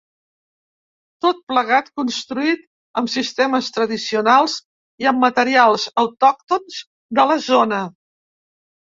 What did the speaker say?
Tot plegat construït amb sistemes tradicionals i amb materials autòctons de la zona.